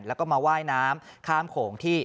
แล้วก็มาว่ายน้ำข้ามโขงที่